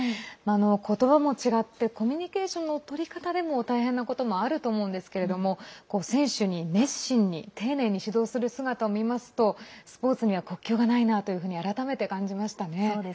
言葉も違ってコミュニケーションの取り方でも大変なこともあると思うんですけれども選手に熱心に丁寧に指導する姿を見ますとスポーツには国境がないと改めて感じました。